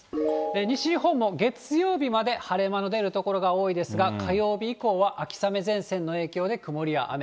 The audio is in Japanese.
西日本も月曜日まで晴れ間の出る所が多いですが、火曜日以降は、秋雨前線の影響で曇りや雨。